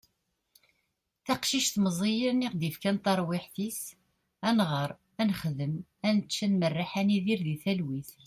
taqcict meẓẓiyen i aɣ-d-yefkan taṛwiḥt-is ad nɣeṛ, ad nexdem, ad nečč, ad merreḥ, ad nidir di talwit